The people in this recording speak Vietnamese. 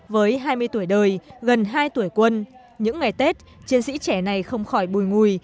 với hai mươi tuổi đời gần hai tuổi quân những ngày tết chiến sĩ trẻ này không khỏi bùi ngùi